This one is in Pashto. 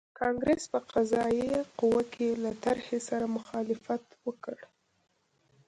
کانګریس په قضایه قوه کې له طرحې سره مخالفت وکړ.